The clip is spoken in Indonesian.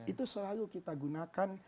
itu selalu kita gunakan